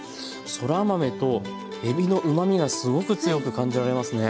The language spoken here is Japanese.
そら豆とえびのうまみがすごく強く感じられますね。